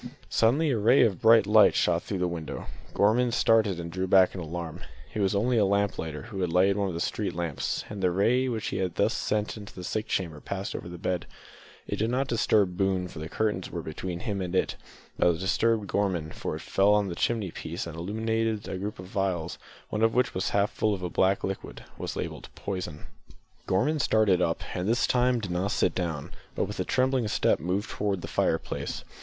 Suddenly a ray of bright light shot through the window. Gorman started and drew back in alarm. It was only a lamp lighter who had lighted one of the street lamps, and the ray which he had thus sent into the sick chamber passed over the bed. It did not disturb Boone, for the curtains were between him and it, but it disturbed Gorman, for it fell on the chimney piece and illuminated a group of phials, one of which, half full of a black liquid, was labelled "Poison!" Gorman started up, and this time did not sit down, but with a trembling step moved to the fireplace.